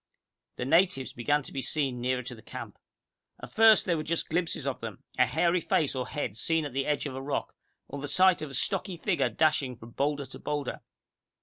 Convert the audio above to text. The natives began to be seen nearer to the camp. At first there were just glimpses of them, a hairy face or head seen at the edge of a rock, or the sight of a stocky figure dashing from boulder to boulder.